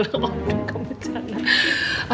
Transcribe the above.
aduh kamu bencana